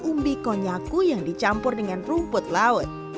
umbi konyaku yang dicampur dengan rumput laut